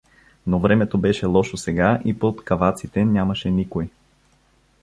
Но времето беше лошо сега и под каваците нямаше никой.